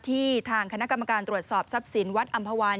ทางคณะกรรมการตรวจสอบทรัพย์สินวัดอำภาวัน